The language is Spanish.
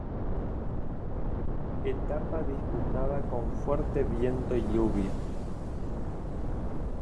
Etapa disputada con fuerte viento y lluvia.